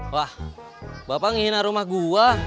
wah bapak ngehina rumah gua